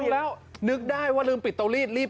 มันกลับมาที่สุดท้ายแล้ว